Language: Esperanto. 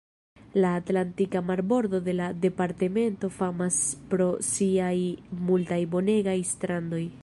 La Atlantika marbordo de la departemento famas pro siaj multaj bonegaj strandoj.